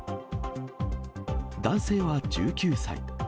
男性は１９歳。